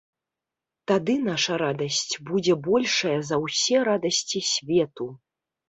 Тады наша радасць будзе большая за ўсе радасці свету.